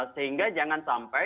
sehingga jangan sampai